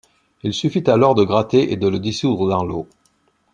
Il suffit alors de gratter et de le dissoudre dans l'eau.